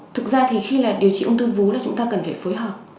thực ra thì khi là điều trị ung thư vú là chúng ta cần phải phối hợp